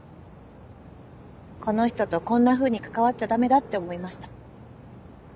この人とこんなふうに関わっちゃダメだって思いました。